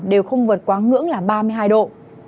đều không vượt quá ngưỡng là ba mươi hai độ